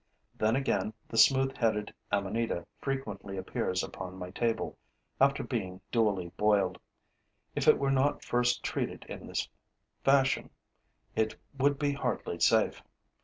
Then again the smooth headed amanita frequently appears upon my table, after being duly boiled: if it were not first treated in this fashion, it would be hardly safe.